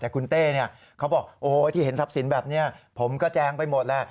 แต่คุณเต้เขาบอกโอ้ยที่เห็นทรัพย์สินแบบนี้ผมก็แจงไปหมดแหละ